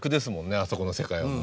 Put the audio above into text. あそこの世界はもう。